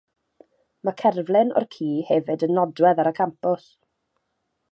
Mae cerflun o'r ci hefyd yn nodwedd ar y campws.